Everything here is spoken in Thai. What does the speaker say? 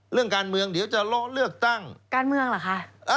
เรื่องการเมืองเดี๋ยวจะเลาะเลือกตั้งการเมืองเหรอคะ